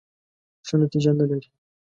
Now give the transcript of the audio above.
ښه نتیجه نه لري .